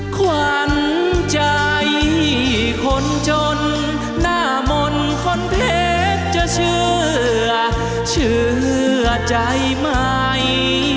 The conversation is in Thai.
ขวัญใจคนจนหน้ามนต์คนเพชรจะเชื่อเชื่อใจไหม